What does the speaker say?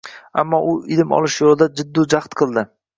Ammo u ilm olish yo‘lida jiddu jahd qildi